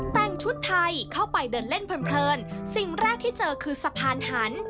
แต่งชุดไทยเข้าไปเดินเล่นเพลินสิ่งแรกที่เจอคือสะพานหัน